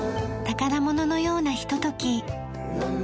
宝物のようなひととき。